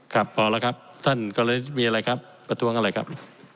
ครับพอแล้วครับท่านก็เลยมีอะไรครับประท้วงอะไรครับ